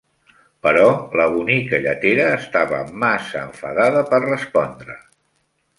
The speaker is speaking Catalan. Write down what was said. Però la bonica lletera estava massa enfadada per respondre.